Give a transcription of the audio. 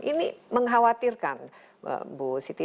ini mengkhawatirkan bu siti